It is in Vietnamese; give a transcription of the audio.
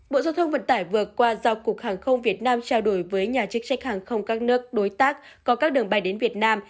bộ giao thông vận tải vừa qua giao cục hàng không việt nam trao đổi với nhà chức trách hàng không các nước đối tác có các đường bay đến việt nam